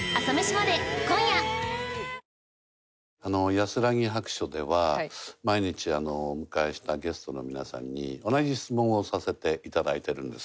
『やすらぎ白書』では毎日お迎えしたゲストの皆さんに同じ質問をさせて頂いているんです。